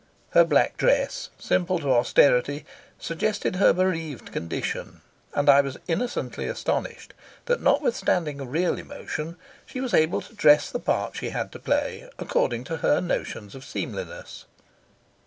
Her black dress, simple to austerity, suggested her bereaved condition, and I was innocently astonished that notwithstanding a real emotion she was able to dress the part she had to play according to her notions of seemliness.